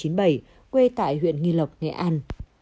năm một nghìn chín trăm chín mươi bảy quê tại huyện nghi lộc nghệ an